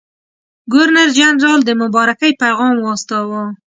ګورنرجنرال د مبارکۍ پیغام واستاوه.